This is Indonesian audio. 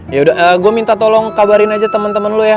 yaudah gue minta tolong kabarin aja temen temen lo ya